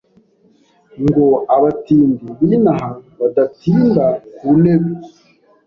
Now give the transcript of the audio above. Ngo abatindi b'inaha Badatinda ku ntebe.